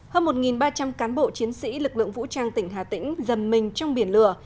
hơn một ba trăm linh cán bộ chiến sĩ lực lượng vũ trang tỉnh hà tĩnh dầm mình trong biển lửa